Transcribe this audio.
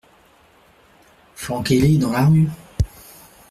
Flanquez-les dans la rue !